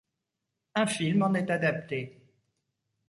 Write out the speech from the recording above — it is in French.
Un film en est adapté.